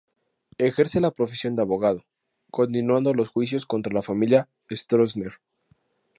Ejerce la profesión de abogado, continuando los juicios contra la familia Stroessner.